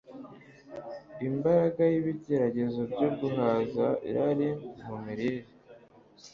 Imbaraga y’ibigeragezo byo guhaza irari mu mirire